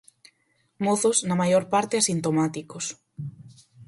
Mozos, na maior parte asintomáticos.